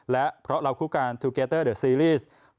และเพราะเราคู่การทูเกเตอร์เดอร์ซีรีส์